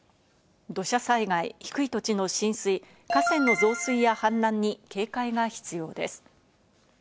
土砂災害、低い土地の浸水、河川の増水や氾濫に警戒が必要です。